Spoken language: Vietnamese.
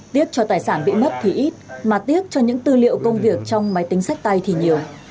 tiếc cho tài sản bị mất thì ít mà tiếc cho những tư liệu công việc trong máy tính sách tay thì nhiều